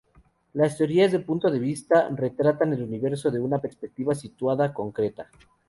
Las teorías de punto de vista retratan el universo de una perspectiva situada concreta.